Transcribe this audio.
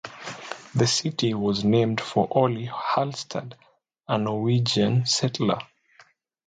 The city was named for Ole Halstad, a Norwegian settler.